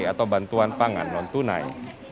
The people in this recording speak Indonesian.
atau bantuan pangan non tunai